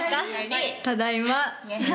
ただいま。